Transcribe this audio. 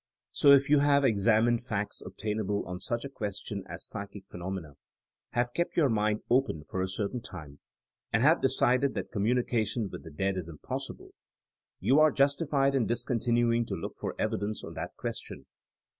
So if you have examined facts obtainable on such a question as psychic phenomena, have kept your mind open for a certain time, and have decided that com munication with the dead is impossible, you ^re justified in discontinuing to look for evidence on that question.